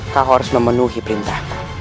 kau harus memenuhi perintahmu